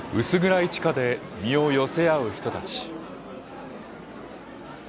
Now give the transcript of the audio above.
薄暗い地下で身を寄せ合う人たち。